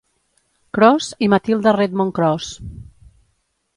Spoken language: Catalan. Cross i Matilda Redmond Cross.